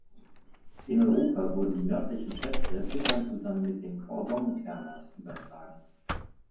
In Europa wurden die „Nördlichen Schätze“ bislang zusammen mit den „Khordong-Termas“ übertragen.